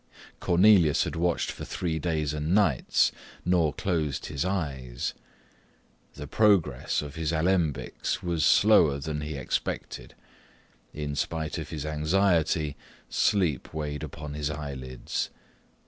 Cornelius had watched for three days and nights, nor closed his eyes. The progress of his alembics was slower than he expected: in spite of his anxiety, sleep weighed upon his eyelids.